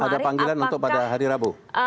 ada panggilan untuk pada hari rabu